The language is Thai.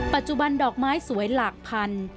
ปัจจุบันดอกไม้สวยหลากพัน